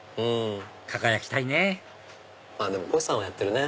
輝きたいねでもこひさんはやってるね。